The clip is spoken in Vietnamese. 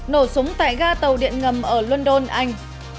nổ súng tại ga tàu điện ngầm ở london anh